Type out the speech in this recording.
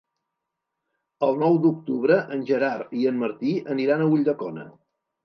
El nou d'octubre en Gerard i en Martí aniran a Ulldecona.